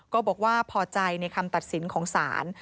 ก็บอกว่าพอใจในคำตัดสินของศาล